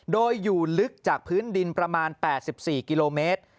โดยอยู่ลึกจากพื้นดินประมาณ๘๔กิโลเมตร